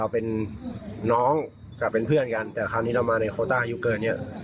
เป็นน้องกับเป็นเพื่อนกันแต่คราวนี้เรามาในโคต้าอายุเกินเนี่ย